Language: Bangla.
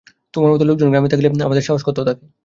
তোমার মতো একজন লোক গ্রামে থাকিলে আমাদের সাহস কত থাকে।